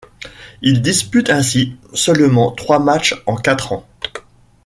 Il dispute ainsi seulement trois matchs en quatre ans.